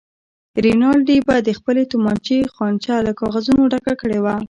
رینالډي به د خپلې تومانچې خانچه له کاغذونو ډکه کړې وه.